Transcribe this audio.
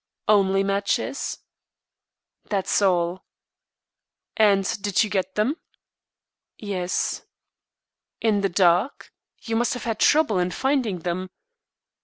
"Only matches?" "That's all." "And did you get them?" "Yes." "In the dark? You must have had trouble in finding them?"